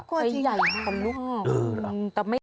กลัวจริงใหญ่ของลูกห้อง